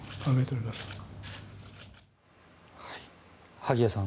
萩谷さん